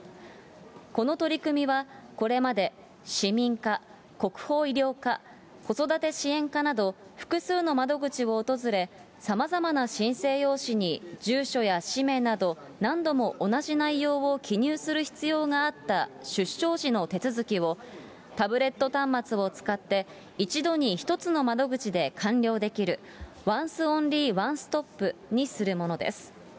この取り組みはこれまで、市民課、国保医療課、子育て支援課など、複数の窓口を訪れ、さまざまな申請用紙に住所や氏名など、何度も同じ内容を記入する必要があった出生時の手続きを、タブレット端末を使って、一度に１つの窓口で完了できる、ワンスオンリーワンストップにするものです。